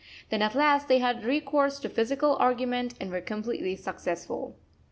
Then at last they had recourse to physical argument and were completely successful.